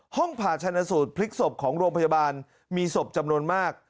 ผ่าชนสูตรพลิกศพของโรงพยาบาลมีศพจำนวนมาก